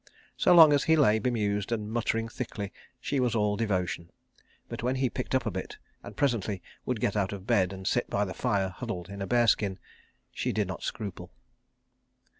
So long as he lay bemused and muttering thickly she was all devotion; but when he picked up a bit, and presently would get out of bed and sit by the fire huddled in a bearskin, she did not scruple.